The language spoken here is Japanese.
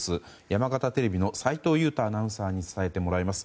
山形テレビの斉藤佑太アナウンサーに伝えてもらいます。